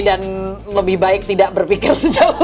dan lebih baik tidak berpikir sejauh itu